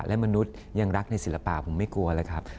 และมนุษย์ยังรักในศิลปะผมไม่กลัวเลยครับ